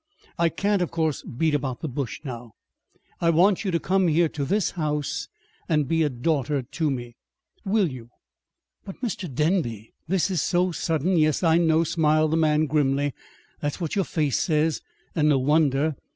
"I can't, of course, beat about the bush now. I want you to come here to this house and be a daughter to me. Will you?" "But, Mr. Denby!" "'This is so sudden!' Yes, I know," smiled the man grimly. "That's what your face says, and no wonder.